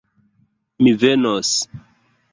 Mi venos.